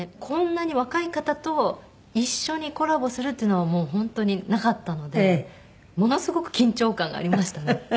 こんなに若い方と一緒にコラボするっていうのはもう本当になかったのでものすごく緊張感がありましたね。